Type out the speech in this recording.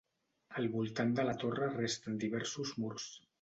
Al voltant de la torre resten diversos murs.